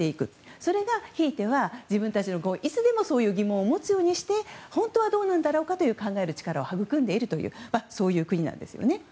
それがひいては自分たちのいつでもそういう疑問を持つようにして本当はどうなるんだろうかという考える力を育んでいるそういう国なんです。